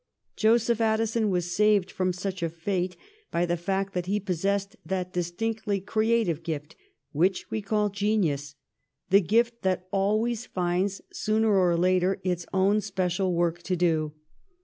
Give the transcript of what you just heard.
Joseph Addison was saved from such a fate by the fact that he possessed that distinctly creative gift which we call genius, the gift that always finds, sooner or later, its own special work to do.